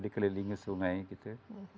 di kelilingi sungai gitu